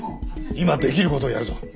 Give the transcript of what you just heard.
今できることをやるぞ。